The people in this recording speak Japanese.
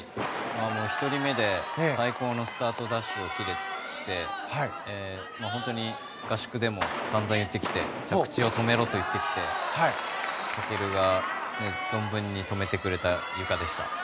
１人目で最高のスタートダッシュを切れて本当に合宿でも散々、言ってきて着地を止めろと言ってきて翔が存分に止めてくれたゆかでした。